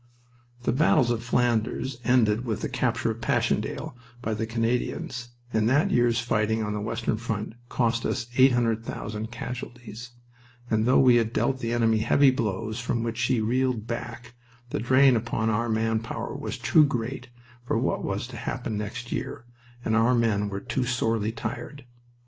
The battles of Flanders ended with the capture of Passchendaele by the Canadians, and that year's fighting on the western front cost us 800,000 casualties, and though we had dealt the enemy heavy blows from which he reeled back, the drain upon our man power was too great for what was to happen next year, and our men were too sorely tried.